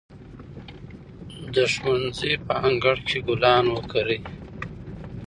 د ښوونځي په انګړ کې ګلان وکرئ.